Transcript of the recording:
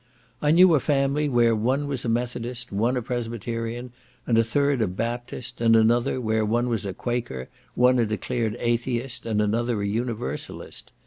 I knew a family where one was a Methodist, one a Presbyterian, and a third a Baptist; and another, where one was a Quaker, one a declared Atheist, and another an Universalist.